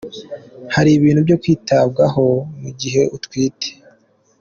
Hari ibintu byo kwitabwaho mu gihe utwite.